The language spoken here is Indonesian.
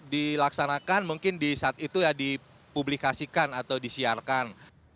dilaksanakan mungkin di saat itu ya dipublikasikan atau disiarkan